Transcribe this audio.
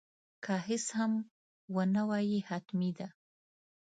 که هیڅ هم ونه وایې حتمي ده.